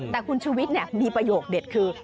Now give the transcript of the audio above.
แต่คุณชุวิตมีประโยคเด็ดคือ